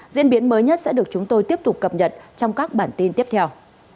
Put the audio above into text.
diễn biến mới nhất sẽ được chúng tôi tiếp tục cập nhật trong các bản tin tiếp theo